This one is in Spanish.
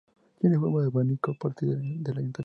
Tiene forma de abanico, a partir del ayuntamiento.